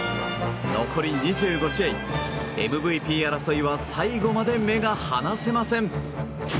残り２５試合、ＭＶＰ争いは最後まで目が離せません。